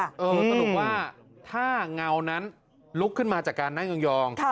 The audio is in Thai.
สรุปว่าถ้าเงานั้นลุกขึ้นมาจากการนั่งยอง